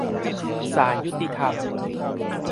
ศาลยุติธรรม